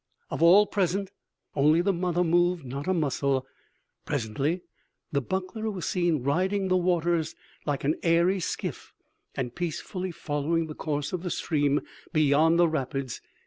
Of all present, only the mother moved not a muscle. Presently the buckler was seen riding the waters like an airy skiff and peacefully following the course of the stream beyond the rapids.